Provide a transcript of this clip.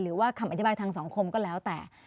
หรือว่าคำอธิบายทางสังคมก็แล้วแต่